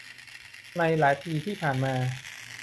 ในหลายปีที่ผ่านมา